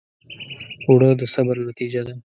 اوړه د صبر نتیجه ده